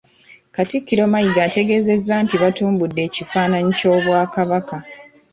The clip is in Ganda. Katikkiro Mayiga ategeezezza nti batumbudde ekifaananyi ky'Obwakabaka